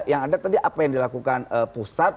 yang ada tadi apa yang dilakukan pusat